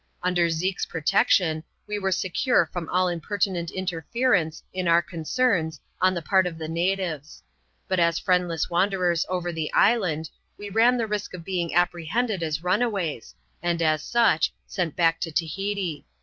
Under Zeke's protection, we were secure from all imperti nent interference in our concerns on the part of the natives. But as friendless wanderers over the island, we ran the risk of being apprehended as runaways, and as such, sent back to Tahiti.